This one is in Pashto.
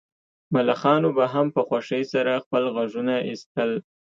ملخانو به هم په خوښۍ سره خپل غږونه ایستل